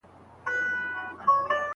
آیا روباټ تر کارګر نه ستړی کېږي؟